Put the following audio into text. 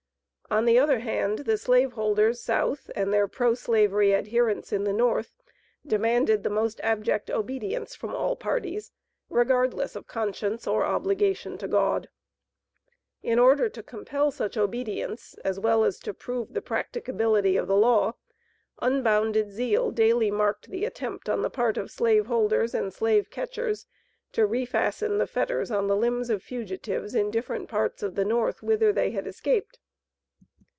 On the other hand, the slave holders South, and their pro slavery adherents in the North demanded the most abject obedience from all parties, regardless of conscience or obligation to God. In order to compel such obedience, as well as to prove the practicability of the law, unbounded zeal daily marked the attempt on the part of slave holders and slave catchers to refasten the fetters on the limbs of fugitives in different parts of the North, whither they had escaped.